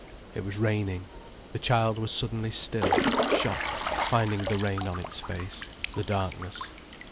It was raining. The child was suddenly still, shocked, finding the rain on its face, the darkness.